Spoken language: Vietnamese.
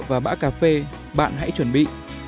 và bã cà phê bạn hãy chuẩn bị